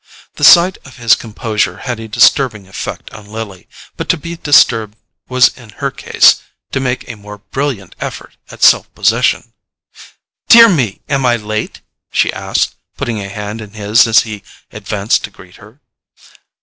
The sight of his composure had a disturbing effect on Lily; but to be disturbed was in her case to make a more brilliant effort at self possession. "Dear me, am I late?" she asked, putting a hand in his as he advanced to greet her.